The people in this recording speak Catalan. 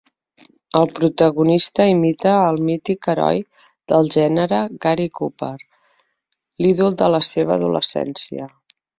El protagonista imita el mític heroi del gènere, Gary Cooper, l'ídol de la seva adolescència.